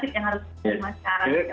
ini yang harus kita lakukan